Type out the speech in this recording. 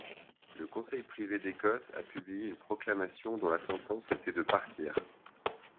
Le Conseil privé d'Écosse a publié une proclamation dont la sentence était de partir.